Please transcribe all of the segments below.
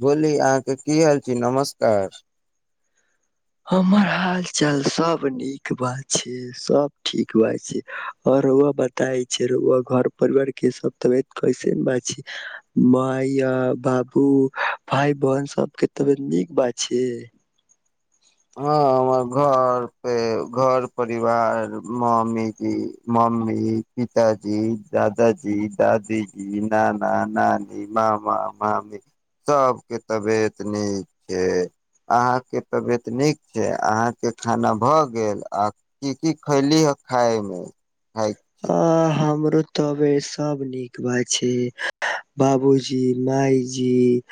बोली अहाँके की हाल छी नमस्कार हमर हाल चाल सब नीक बात छै सब ठीक बात छै आओर बताय छै घर परिवार के सब तबियत कैसेन बात छै मायया बाबू भाय बहन सबके तबियत नीक बात छै हँ हमर घर पे घर परिवार मामीजी म्मी पिताजी दादाजी दादीजी नाना नानी मामा मामी सभके तबियत नीक छै अहाँके तबियत तऽ नीक छै अहाँके खाना भऽ गेल आ की की खैली हे खायमे खाय छी आ ह तबियत सब नीक बात छै बाबूजी मााय जी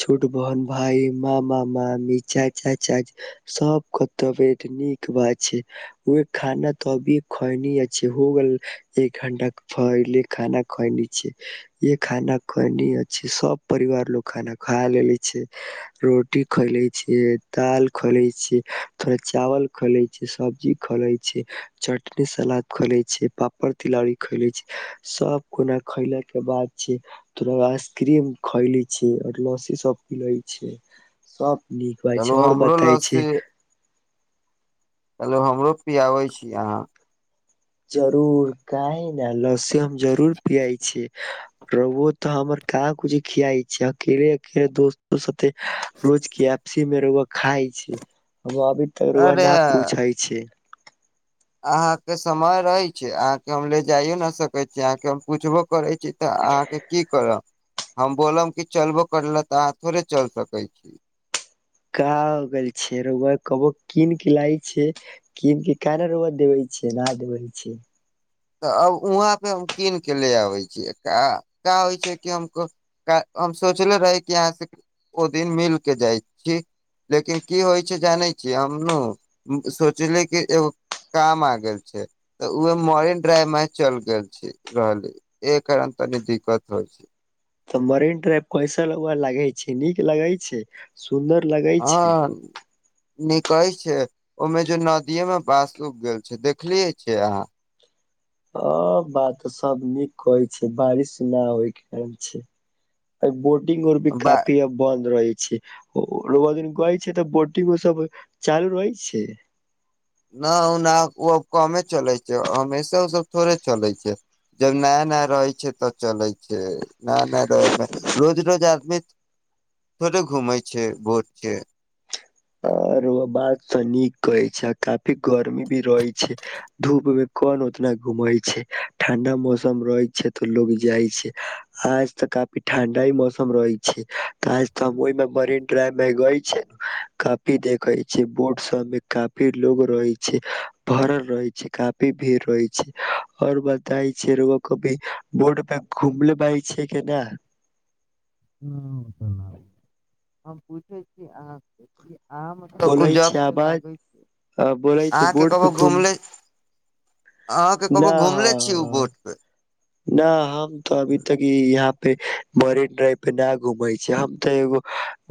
छोट बहन भाय मामा मामी चाचा चाची सब के तबियत नीक बात छै उह खाना त अभी खइनी छै एक घंटा के फले खाना खल छ ये खाना ख सब परिवार लोग खाना खा लेले छै रोटी खैले छै दाल खुले छै थोड़ा चावल खले छै सब्जी खोले छै चटनी सलाद खैले छै पापड़ तिलौरीी खैलै छ सभ कोना खैलाके बाद छै त आइसक्रीम खैलै छियै आओर लसी सभ प लैत छै सभ नीक बात चलू छै आओर हमरो बताय छै लस्सी कहलो हमरो पियाबै छी अहाँ जरूर काह न लस्सी हम जरूर पियै छी रु तऽ हमर क कुछी खियाइ छी अकेले अकेले दोस्तो सब रोज के वपसी मे रउआ खााय छै अभी तक रउआ न पूछै छै अहाके समय रहै छै अहाँके हम ले जाइयो न सकैत छी अहाँके हम पूछबो करै तऽ अहाँके की करब हम बोलम कि चलबो करल तऽ अहाँ थोड़े चलि सकैत छी क हो गेल छै रउआ कबो कीन के लााय छै कीन के कना रउआ देबै छै न देबै छै तऽ अब वहा पे हम कीन के ले आबै छीियैा का होइ छै कि हम हम सोचले रही कि यहाँ से ओ दिन मिल के जाइ छी लेकिन की होइ छै जानै छी हम सोचली कि एगो काम आ गेल छै तऽ उह मन ्राय माय चल गेल छी रहली एहि कारण तनी दिक्कत होइ छै तऽ मरीन ड्राइव कैसल उ लगै छै नीक लगै छै सुन्दर लगै छै निकै छै ओहिमे जे नदिये मे पास उग गेल छै देखलियै छिय अहाँ ह बात त सब नीक कहै छै बारिश नहि होय के कारण छै बो इंग औरभी बा काफी अब बन्द रहय छै ओ ओ रौआ दिन गइ छै तऽ बोटिंग ओ सब चालू रहय छै न ओना ओ अब कमे चलै छै हमेशा ओसभ थोड़े चलै छै जब नया नया रहै छै तब चलै छै नया नया रहैमे रोज रोज आदमी थोड़े घूमै छै भोज छै आरो बात त नीक कहै छै काफी गर्मी भी रहै छै धूप मे कोन उतना घूमैय छै ठंडा मौसम रहै छै तऽ लोग जाइ छै आज तऽ काफी ठंडाए मौसम रहै छै तऽ आज तऽ हम ओहिमे मरिनड्राइव मे गै छै काफी देखै छै बोर्ड सभ मे काफी लोग रहै छै भरल रहए छै काफी भीड़ रहए छै आओर बताइ छै रौआ कभी बोड पे घुमलेबााय छै के नए हम पूछै छी अहाँसे की अहाँ मतलब बोले छै उजब से आवाज लागे छै अ, बोले छै अहाँ के बोट पे कबो घूम घुमलै अहाँके कबो ना घुमले छीय ओ ह बोट पे न हम तो अभी तक ई इहा यहाँ पे मरीन ड्राइव पे ना घूमय छै हम तऽ एगो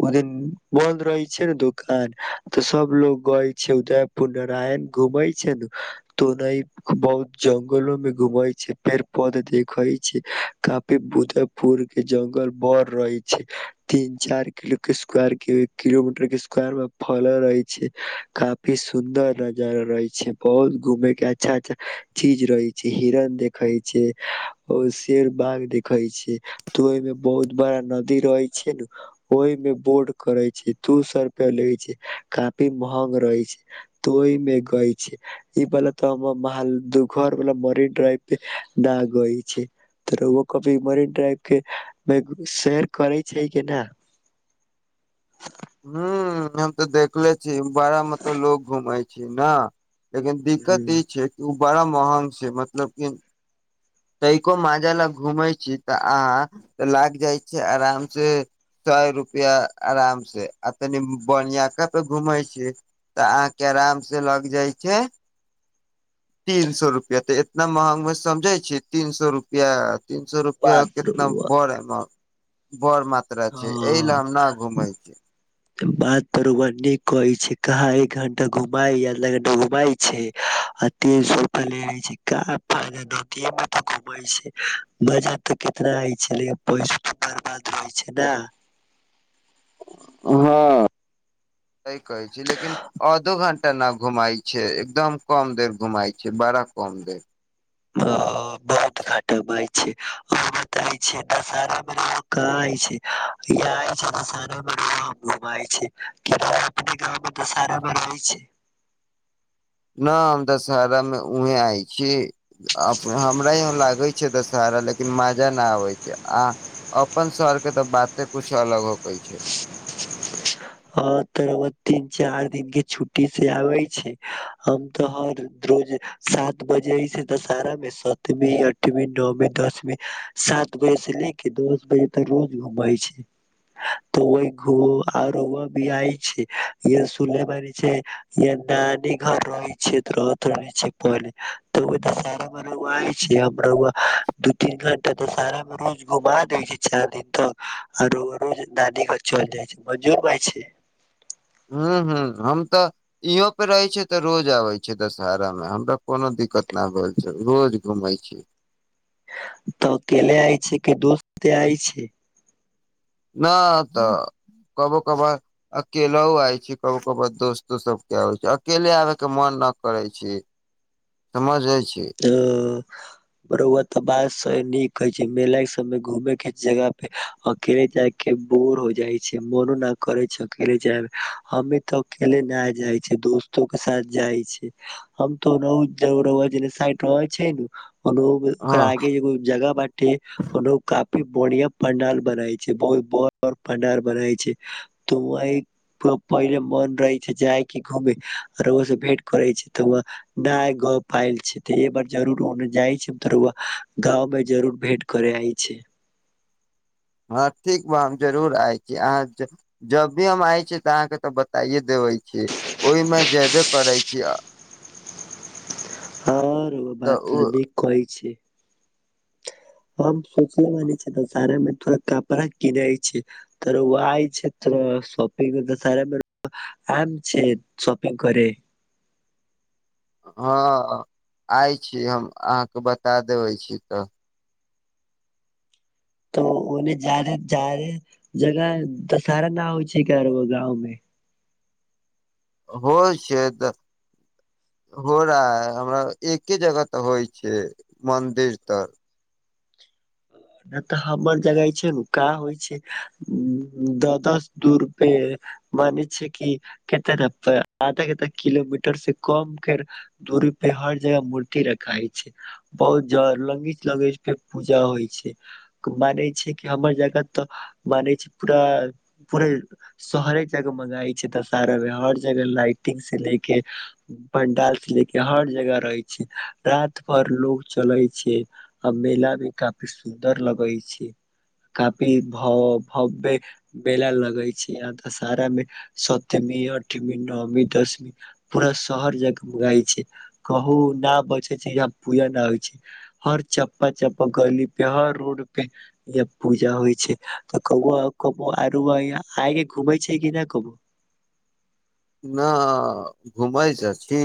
ओ दिन बंद रहए छै ने दुकान तऽ सब लोग गय छै उदयपुर नारायण घूमय छै ने तऽ ओना बहुत जंगलोमे घूमय छै फेर पद देखय छै काफी बुधपुर के जंगल बड़' रहय छै तीन चार किलो के स्क्वायर के किलोमीटर के स्क्वायर मे फलय रहय छै काफी सुन्दर नजारा रहय छै बहुत घूमय के अच्छा अच्छा चीज रहय छै हिरण देखय छै ओ शेर बाघ देखय छै तऽ ओहिमे बहुत बड़ा नदी रहै छै नु ओहिमे बोड करय छै दू सए रुपया लै छै काफी महग रहय छै तोहि मे गइ छै ई बला तो हमर महा घरबला मरीन ड्राइव पे बह गइ छै त रौआ कभी मरीन ड्राइव के शैर करय छै के नहि हुं हम तऽ देखले हे बांयामे त' लोग घुमय छै छी न लेकिन दिक्कत हुं ई छै कि उ बड़ा महग छै मतलब कि तइको माँजा लग घूमे छी तऽ अहाँ के लाग जाय छय आराम से सए रुपआ आराम से आ तनि बनियका पे घूमे छी तऽ अहाँके आराम से लग जाय छै तीन सए रुपआ तऽ इतना महंग मे समझय छी तीन सए रुपया तीन सौ रुपया बात कितना रउआ बड़ एमाउ बर मात्रा छै एहि ल हां। हम ना घुमय छै बात त' रौआ नीक कहय छै कहाँ एक घंटा घुमाय आ लग डे घंटा घुमाय छै आ तीन सौ रुपया ले लै छै का पागे धोतीयेमे त' घुमय छै मजा तऽ कितना होय छलै पैसो बर्बाद होइ छै ने हँ सहि कहय छी लेकिन आधो घंटा न घुमाय छै एकदम कम देर घुमाय छै बड़ा कम देर अ' बहुत घट' बै छै हं बताय छै दशहारामे रहल कहां होय छै या अछि दशहारामे रहब घुमय छै क अपने गाममे दशहाराामे रहय छै न हम दशहारामे उहें आय छीयै हमरा यहां लागय छै दशहारा लेकिन मजा न आबे छै आ अपन शहर के तऽ बाते कुछ अलग होकय छै हँ तरब तीन चार दिन के छुट्टी से आबय छै हम तऽ हर रोज सात बजे से दशहरामे सतवीं अठवीं नओवीं दसवीं सात बजे से ले के दस बजे तऽ रोज घुमय छै तऽ ओहि हो आ रौआ भी आय छै य सुले मारी छै य नानी घर रहय छै रहत रहय छै पहले त' ओहि दशहारामे रौआ आय छै अब रौआ दू तीन घर त त'सारामे रोज घुमा दै छै चारि दिन तऽ आर रौआ रोज दादी ग चलि जाइ छै मजो भइ छै हं हं हम तऽ इहों पे रहै छियै तऽ रोज आबय छै दशहरामे हमरा कोनो दिक्कत नहि भेल छै रोज घूमय छी तऽ अकेले आइ छै कि दोस्ते आइ छै न तऽ कबो कबो अकेलो आय छी कभो कार दोस्तो सब केबै छै अकेले आबे के मन न करै छी समझ छी ह [unintelligible] बर तऽ बात नीक कहै छै मेला के सबय घूमे के जगह पे अकेले जाय के बोर हो जाइ छै मनो न करे छै अकेले जाय मे हमे तऽ अकेले नहि जाइ छ दोस्तो के साथ जाइ छी हम तो [unintelligible] साइड होै छै ने ओ [unintelligible] हँ ओकरा आगे एगो जगह बटे [unintelligible] की बढ़िया पंडाल बनाय छै बहुत ब पंडाल बनाय छै तो वह पहिले मन रहे छै जाय क घूमेर ओ से भेंट करे छै तऽ वह न गप पायल छै तऽ बार जरुर ओ जाइ छै तर [unintelligible] गाँवमे जरुर भेंट करे आइ छै। हँ ठीक बा हम जरूर आइ छी अहाँ ज जब भी हम आइ छी तऽ अहाँकेँ तऽ बताइए देबै छी ओहिमे जयबे करै छी अ हँ [unintelligible] तऽ बात ओ [unintelligible] कह छैय। [unintelligible] सोचल मानै छै तऽ सारामे तोर कपड़ा किनै छैय तर ओइ छै त सपिंग दसारामें आम छैय सपिंग करे। हँ आइ छी हम अहाँके बता देबै छी तऽ त ओने जाादे जाादे जगह दशहहारा ना होय छैय [unintelligible] गाँवमे। होइ छैय तऽ हो रहा है हमरा एके जगह तऽ होइ छैय मन्दिर तर। नहि तऽ हमर जगह छैका होइ छै द दस दूर पे मान छैय कि कते ने आधा के किलोमीटर से कम के दूरी पे हर जगह मूर्ति रखा छैय बहुत ज लगीच लगीच पे पूजा होइ छैय। मानै छैय कि हमर जगह तऽ मानै छै पूरा पूेरे शहरे जग मंगाई छैय दशहरा मे हर जगह लाइटिंग से ले के पंडाल से ले के हर जगह रहै छैय रात भर लोग चलै छैय आ मेलामें काफी सो न्दर लगै छैय काफी भ भव्य मेला लगै छैय यह तऽ सारामे सतमी अठमी नओमी दशमी पूरा शहर जाक गााय छै कहू नहि बचै छैय यहाँ पूजा नहि होइ छैय हर चप्पा चप्पा गली र रोड पे य पूजा होइ छैय तऽ क [unintelligible] आके घूमे छैय कि नहि कबो न घूमै त छी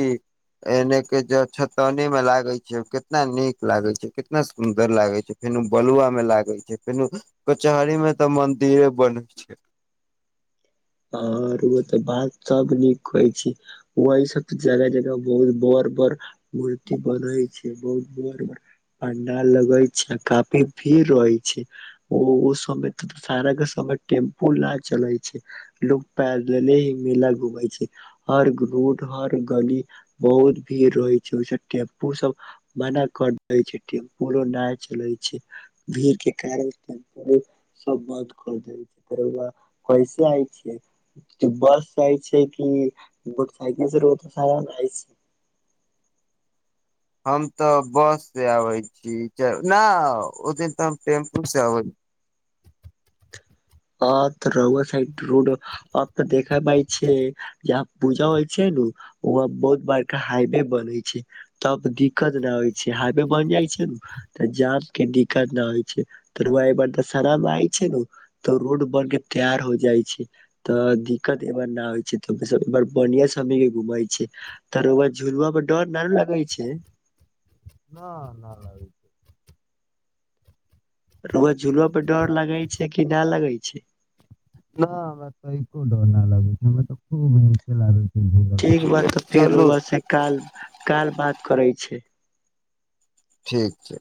एनेके जे छतौनीमे लागै छैय कितना नीक लागै छैय कितना सुन्दर लागै छैय फेनु बलुआमे लागै छैय फेनु कचहरीमे तऽ मन्दिरे बनै छैय। आओर ओ तऽ बात सब नीक होय छैय [unintelligible] सब जगह जगह बहुत बड़ बड़ मूर्ति बनै छैय बहुत [unintelligible] पंडाल लगै छैय आ काफी भीड़ रहै छैय ओ ओ समय त सारा के समय टेम्पू ना चलै छैय। लोग पैदले ही मेला घूमै छैय हर रोड हर गली बहुत भीड़ रहे छैय ओय से टेम्पू सब मना कर देै छैय टेम्पूलो नहि चलै छैय भीड़ के कारण टेम्पू सब बंद कर [unintelligible] छैय। बस जाइ छैय कि मोटरसइकिल से र [unintelligible] छैय। हम तऽ बस से आबै छी नहि ओ दिन तऽ हम टेम्पू से अबै आ त रउआ साईड रोड अब त देखाय छैय जहाँ पूजा होइ छैय ने उहा बहुत बारका हाईवे बनै छैय तब दिक्कत न होइ छैय हाइवे बन जाइ छैय ने तऽ जाम के दिक्कत न होइ छैय त रउआ अय बार दशहरामें आय छैय न तऽ रोड बन के तैयार हो जाइ छैय तऽ दिक्कत ए बार नहि होइ छैय त बढ़िया सम के घुमय छैय त रउआ झूलूआ पर डर नहि लगै छैय। [inaudible] रउआ झूलुआ पर डर लगै छैय कि नहि लगै छैय। न हमरा तऽ [unintelligible] ठीक बात तऽ फिर रउआ से काल काल बात करै छी ठीक छैय